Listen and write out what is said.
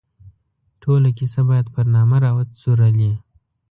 ټوله کیسه باید پر نامه را وڅورلي.